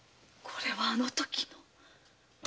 これはあのときの。